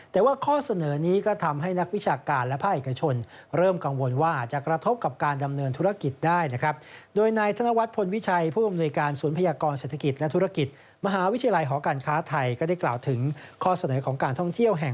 แต่ว่าข้อเสนอนี้ก็ทำให้นักวิชาการและภาคเอกชนเริ่มกังวลว่าจะกระทบกับการดำเนินธุรกิจได้นะครับ